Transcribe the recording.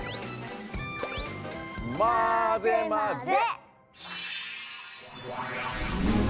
まぜまぜ！